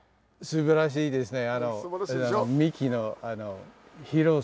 すばらしいでしょ。